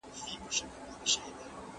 ¬ چي موږ غله سوو، بيا سپوږمۍ راوخته.